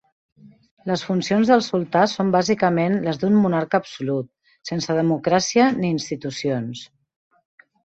Les funcions del sultà són bàsicament les d'un monarca absolut, sense democràcia ni institucions.